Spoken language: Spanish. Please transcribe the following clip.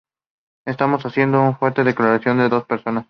Estamos haciendo una fuerte declaración de dos personas.